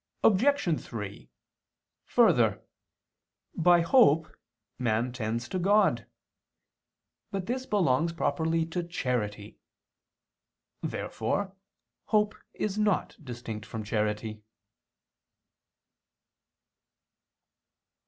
Obj. 3: Further, by hope man tends to God. But this belongs properly to charity. Therefore hope is not distinct from charity.